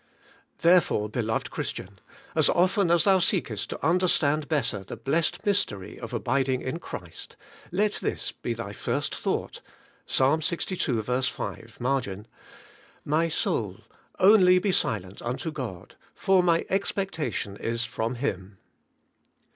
Therefore, beloved Christian, as often as thou seekest to understand better the blessed mystery of abiding in Christ, let this be thy first thought {P$. Ixii, 5^ marg,): 'My soul, only he silent unto God; for my expectation is from Him.'